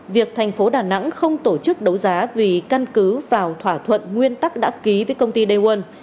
việc tp đà nẵng không tổ chức đấu giá vì căn cứ vào thỏa thuận nguyên tắc đã ký với công ty day one